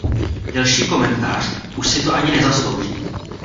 Delší komentář už si to ani nezaslouží.